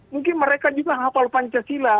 mungkin mereka juga hafal pancasila